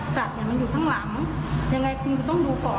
สัตว์เนี่ยมันอยู่ข้างหลังยังไงคุณก็ต้องดูก่อน